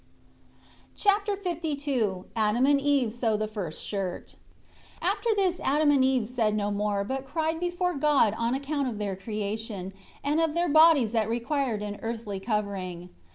Chapter LII Adam and Eve sew the first shirt. 1 After this Adam and Eve said no more, but cried before God on account of their creation, and of their bodies that required an earthly covering.